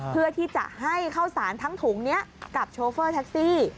เพื่อที่จะให้ข้าวสารทั้งถุงนี้กับโชเฟอร์แท็กซี่